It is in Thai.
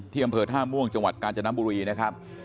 อำเภอท่าม่วงจังหวัดกาญจนบุรีนะครับ